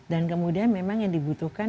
dan kemudian memang yang dibutuhkan